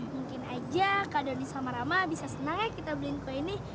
mungkin aja kak doni sama rama bisa senangnya kita beliin kue ini